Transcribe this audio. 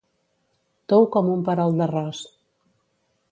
Tou com un perol d'arròs.